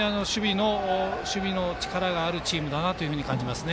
守備の力があるチームだなと感じます。